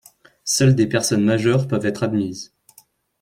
Seules des personnes majeures peuvent être admises.